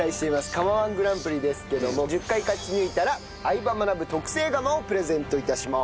釜−１グランプリですけども１０回勝ち抜いたら『相葉マナブ』特製釜をプレゼント致します。